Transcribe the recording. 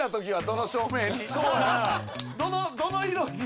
どの色に。